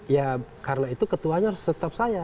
ya karena itu ketuanya harus tetap saya